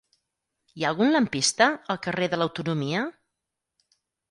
Hi ha algun lampista al carrer de l'Autonomia?